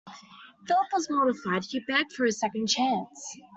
Philip was mortified. He begged for a second chance.